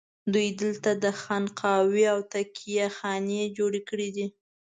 دوی دلته خانقاوې او تکیه خانې جوړې کړي دي.